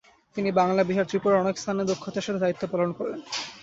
তিনি বাংলা, বিহার, ত্রিপুরার অনেকস্থানে দক্ষতার সাথে দায়িত্ব পালন করেন।